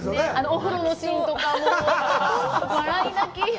お風呂のシーンとか、もう笑い泣き。